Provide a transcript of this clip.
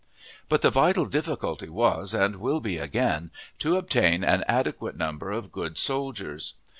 But the vital difficulty was, and will be again, to obtain an adequate number of good soldiers.